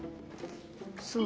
そう。